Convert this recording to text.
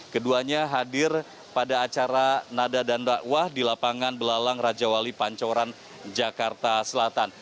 keduanya hadir pada acara nada dan dakwah di lapangan belalang raja wali pancoran jakarta selatan